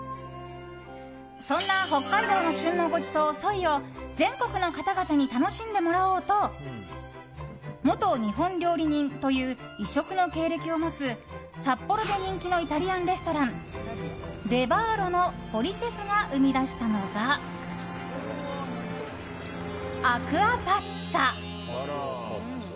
そんな北海道の旬のごちそうソイを全国の方々に楽しんでもらおうと元日本料理人という異色の経歴を持つ札幌で人気のイタリアンレストランレヴァーロの堀シェフが生み出したのがアクアパッツァ。